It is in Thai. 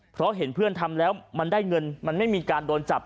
เพราะเห็นเพื่อนทำแล้วมันได้เงินมันไม่มีการโดนจับ